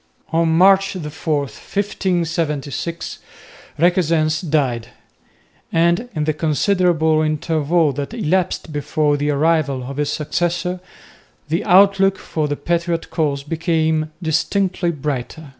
On March 4, 1576, Requesens died; and in the considerable interval that elapsed before the arrival of his successor, the outlook for the patriot cause became distinctly brighter.